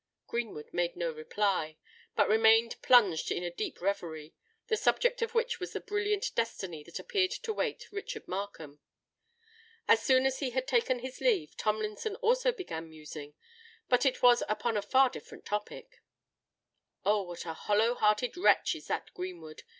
Greenwood made no reply, but remained plunged in a deep reverie, the subject of which was the brilliant destiny that appeared to await Richard Markham. As soon as he had taken his leave, Tomlinson also began musing; but it was upon a far different topic! "Oh! what a hollow hearted wretch is that Greenwood!"